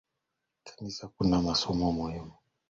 Kanisani kuna masomo muhimu